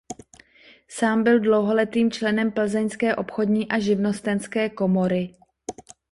Sám byl dlouholetým členem plzeňské obchodní a živnostenské komory.